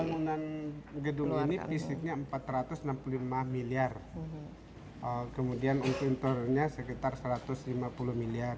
untuk pembangunan gedung ini fisiknya rp empat ratus enam puluh lima miliar kemudian untuk interiornya sekitar rp satu ratus lima puluh miliar